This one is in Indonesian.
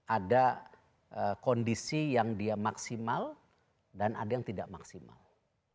ada kondisi yang dia maksimal dan ada yang tidak maksimal